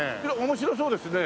面白そうですね。